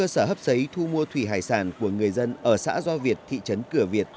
các cơ sở hấp xây thu mua thủy hải sản của người dân ở xã do việt thị trấn cửa việt